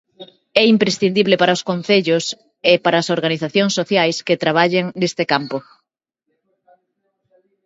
É imprescindible para os concellos e para as organizacións sociais que traballan neste campo.